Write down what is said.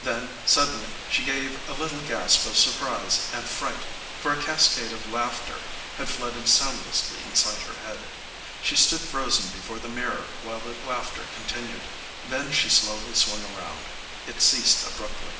Then suddenly she gave a little gasp of surprise and fright, for a cascade of laughter had flooded soundlessly inside her head. She stood frozen before the mirror while the laughter continued. Then she slowly swung around. It ceased abruptly.